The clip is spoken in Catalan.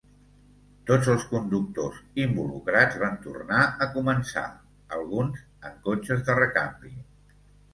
Tots els conductors involucrats van tornar a començar. Alguns en cotxes de recanvi.